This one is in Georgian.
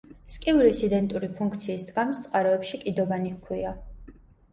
სკივრის იდენტური ფუნქციის, დგამს წყაროებში კიდობანი ჰქვია.